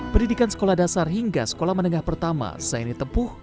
pendidikan sekolah dasar hingga sekolah menengah pertama zaini tepuh